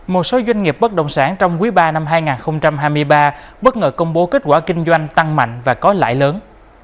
một số doanh nghiệp bất động sản trong quý ba năm hai nghìn hai mươi ba bất ngờ công bố kết quả kinh doanh tăng mạnh và có lãi lớn